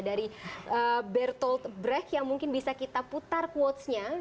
dari bertolt brecht yang mungkin bisa kita putar quotes nya